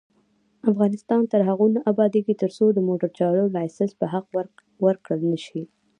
افغانستان تر هغو نه ابادیږي، ترڅو د موټر چلولو لایسنس په حق ورکړل نشي.